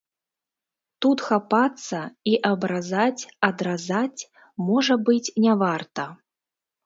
Тут хапацца і абразаць, адразаць, можа быць, не варта.